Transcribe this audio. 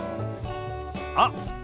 あっ！